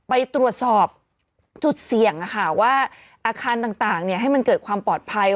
ไปตรวจสอบจุดเสี่ยงว่าอาคารต่างให้มันเกิดความปลอดภัย